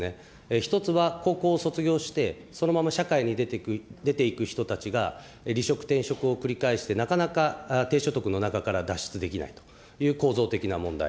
１つは高校を卒業してそのまま社会に出ていく人たちが離職、転職を繰り返してなかなか低所得の中から脱出できないという構造的な問題。